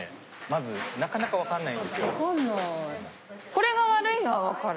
これが悪いのは分かる。